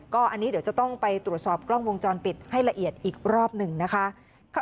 ก็อันนี้เดี๋ยวจะต้องไปตรวจสอบกล้องวงจรปิดให้ละเอียดอีกรอบหนึ่งนะคะ